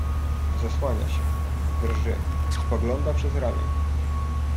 "Zasłania się, drży, spogląda przez ramię."